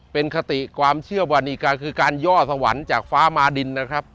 เป็นคติความเชื่อวานิกาคือการย่อสวรรค์จากฟ้ามาดินนะครับ